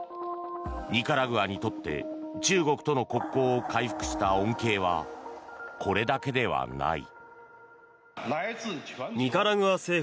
ニカラグアにとって中国との国交を回復した恩恵はこれだけではない。